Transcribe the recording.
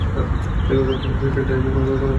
এবং এই লোকটা তার ভয়কে ডাইনি ভর করার মতো করেছে।